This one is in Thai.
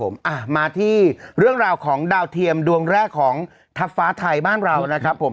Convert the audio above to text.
ผมอ่ะมาที่เรื่องราวของดาวเทียมดวงแรกของทัพฟ้าไทยบ้านเรานะครับผม